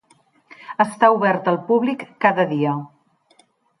Està obert al públic cada dia.